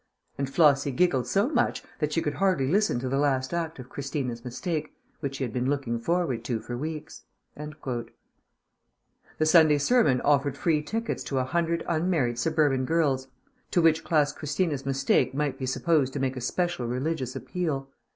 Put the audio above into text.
And Flossie giggled so much that she could hardly listen to the last Act of Christina's Mistake, which she had been looking forward to for weeks!" The Sunday Sermon offered free tickets to a hundred unmarried suburban girls, to which class Christina's Mistake might be supposed to make a special religious appeal.